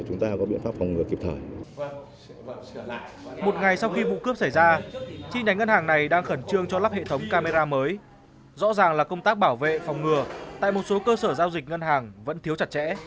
rõ ràng là công tác bảo vệ phòng ngừa tại một số cơ sở giao dịch ngân hàng vẫn thiếu chặt chẽ